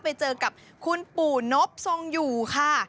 ไปเจอกับคุณปู่นบทรงอยู่ค่ะ